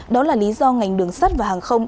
đó là lý do ngành đường sắt và hàng không